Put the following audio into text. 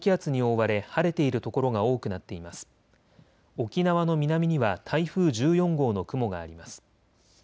沖縄の南には台風１４号の雲があります。